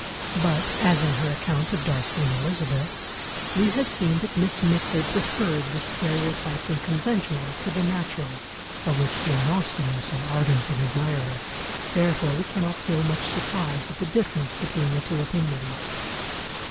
But, as in her account of Darcy and Elizabeth, we have seen that Miss Mitford preferred the stereotyped and conventional to the natural, of which Jane Austen was so ardent an admirer, therefore we cannot feel much surprise at the difference between the two opinions.